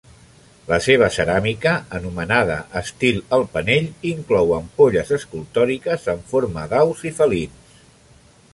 La seva ceràmica, anomenada estil El Panell, inclou ampolles escultòriques en forma d'aus i felins.